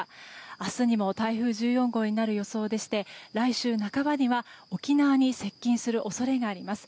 明日にも台風１４号になる予想でして来週半ばには沖縄に接近する恐れがあります。